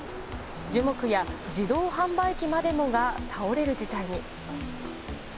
樹木や自動販売機までもが倒れる事態に。